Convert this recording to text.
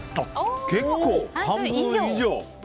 結構、半分以上。